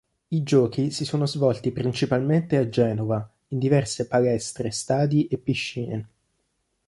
I Giochi si sono svolti principalmente a Genova, in diverse palestre, stadi e piscine.